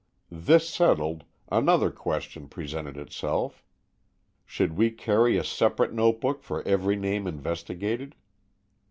This settled, another question presented itself. Should we carry a separate notebook for every name investigated?